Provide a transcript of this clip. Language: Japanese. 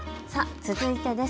続いてです。